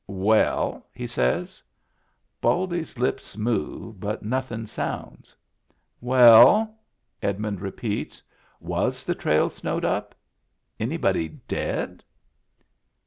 "Well? "he says. Baldy's lips move, but nothin' sounds. "Well?" Edmund repeats. "Was the traU snowed up ? Anybody dead